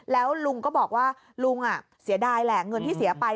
แล้วลุงก็บอกว่าลุงเสียดายแหละเงินที่เสียไป